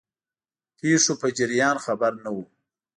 پیښو په جریان خبر نه وو.